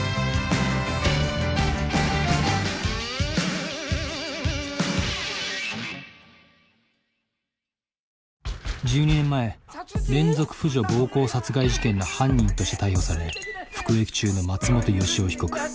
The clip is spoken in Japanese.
・ピロリロリロン１２年前連続婦女暴行殺害事件の犯人として逮捕され服役中の松本良夫被告。